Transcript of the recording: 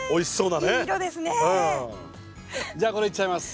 じゃあこれいっちゃいます。